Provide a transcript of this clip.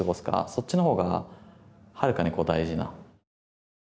そっちの方がはるかにこう大事な。